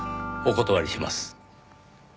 お断りします。